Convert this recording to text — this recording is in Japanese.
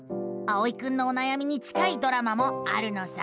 あおいくんのおなやみに近いドラマもあるのさ。